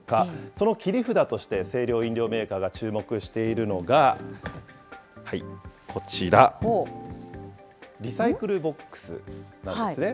その切り札として清涼飲料メーカーが注目しているのが、こちら、リサイクルボックスなんですね。